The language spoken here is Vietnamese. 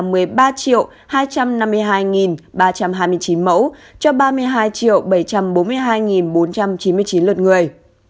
tổng số ca tử vong do covid một mươi chín tại việt nam tính đến nay là ba mươi hai ba trăm hai mươi chín mẫu cho ba mươi hai bảy trăm bốn mươi hai bốn trăm chín mươi chín lươn người